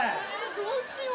どうしよう？